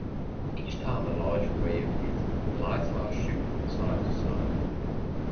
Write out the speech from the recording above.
Each time a large wave hit, the lighthouse shook from side to side.